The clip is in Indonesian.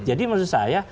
jadi menurut saya